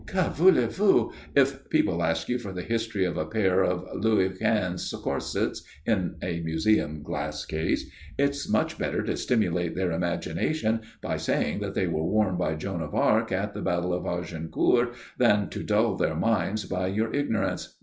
Que voulez vous? If people ask you for the history of a pair of Louis XV. corsets, in a museum glass case, it's much better to stimulate their imagination by saying that they were worn by Joan of Arc at the Battle of Agincourt than to dull their minds by your ignorance.